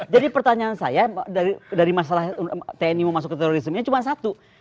jadi pertanyaan saya dari masalah tni mau masuk ke terorisme cuma satu